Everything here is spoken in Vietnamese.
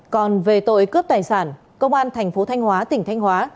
còn về tội cướp tài sản công an thành phố thanh hóa tỉnh thanh hóa